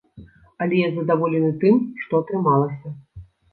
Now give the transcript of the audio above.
Але я задаволены тым, што атрымалася.